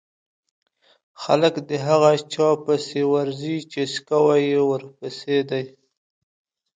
خلک د هغه چا پسې ورځي چې څکوی يې ورپسې دی.